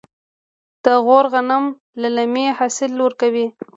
د غور غنم للمي حاصل ورکوي.